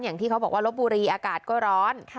อย่างที่เขาบอกว่าลบบุรีอากาศก็ร้อน